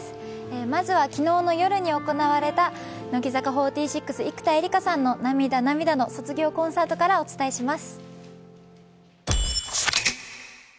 まずは昨日の夜に行われた乃木坂４６・生田絵梨花さんの涙、涙の卒業コンサートからお伝えします。